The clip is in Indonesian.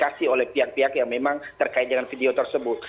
tidak ada yang pilih pihak pihak yang memang terkait dengan video tersebut